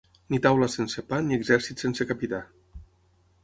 Ni taula sense pa ni exèrcit sense capità.